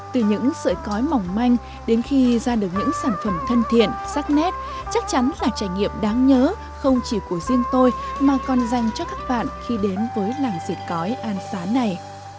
từ những sợi cói mỏng manh đến khi ra được những sản phẩm thân thiện sắc nét chắc chắn là trải nghiệm đáng nhớ không chỉ của riêng tôi mà còn dành cho các bạn khi đến với làng dệt cói an xá này